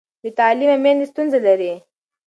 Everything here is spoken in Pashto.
بې تعلیمه میندې ستونزه لري.